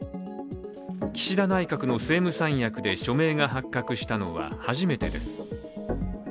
岸田内閣の政務三役で署名が発覚したのは初めてです。